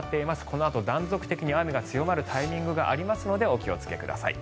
このあと断続的に雨が強まるタイミングがありますのでお気をつけください。